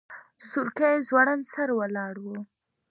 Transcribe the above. سورکی ځوړند سر ولاړ و.